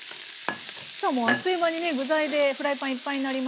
あっという間にね具材でフライパンいっぱいになりましたが。